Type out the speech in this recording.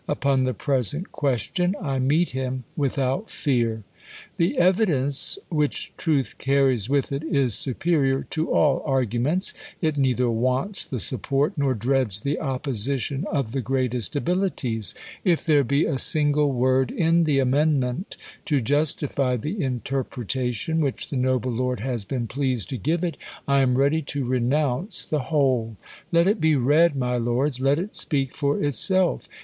Upon the present question, I meet him without fear. The evidence, which truth carries with it, is supe rior to all argun)cnts ; it neither wants the support, noi dreads the opposition of the greatest abilities. If there be a single v.ord in the amendment to justify the interpretation, which the noble lord has been pleased to give it, I am ready to renounce the whole. Let it be read, my lords ; let it speak for itself.